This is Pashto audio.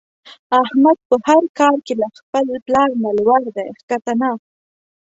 احمد په هر کار کې له خپل پلار نه لوړ دی ښکته نه.